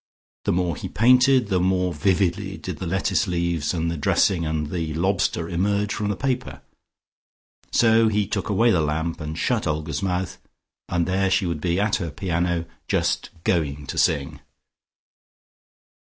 The more he painted, the more vividly did the lettuce leaves and the dressing and the lobster emerge from the paper. So he took away the lamp, and shut Olga's mouth, and there she would be at her piano just going to sing.